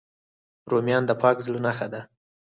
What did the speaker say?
رومیان د پاک زړه نښه ده